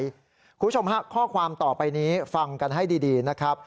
คุณผู้ชมฮะข้อความต่อไปนี้ฟังกันให้ดีนะครับ